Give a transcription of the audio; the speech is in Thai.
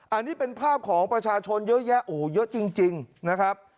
อันนี้เป็นภาพของประชาชนเยอะแยะโอ้โหเยอะจริงนะครับ